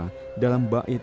dalam penyelenggaraan syair